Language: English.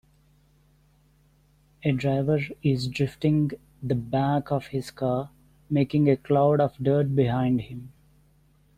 A driver is drifting the back of his car, making a cloud of dirt behind him.